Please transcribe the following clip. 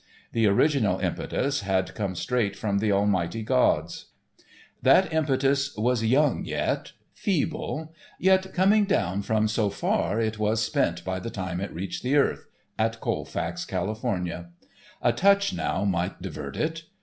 The original impetus had come straight from the almighty gods. That impetus was young yet, feeble, yet, coming down from so far it was spent by the time it reached the earth—at Colfax, California. A touch now might divert it.